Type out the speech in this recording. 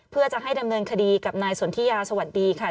เพื่อจะให้ดำเนินคดีกับนายสนทิยาสวัสดีค่ะ